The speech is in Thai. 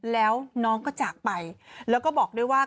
แล้วน้องก็จากไปแล้วก็บอกด้วยว่า